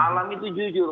alam itu jujur